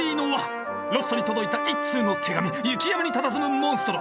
ロッソに届いた一通の手紙雪山にたたずむモンストロ。